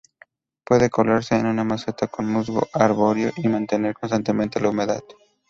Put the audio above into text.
Puede colocarse en una maceta con musgo arbóreo y mantener constantemente la humedad.